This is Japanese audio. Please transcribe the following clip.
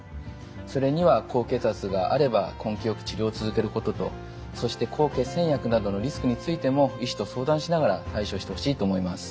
それには高血圧があれば根気よく治療を続けることとそして抗血栓薬などのリスクについても医師と相談しながら対処してほしいと思います。